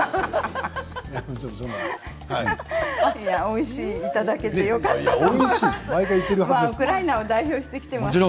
おいしい、いただけてよかったです。